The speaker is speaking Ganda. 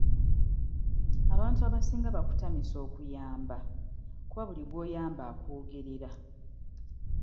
Abantu abasinga bakutamisa okuyamba kuba buli gw'oyamba akwogerera.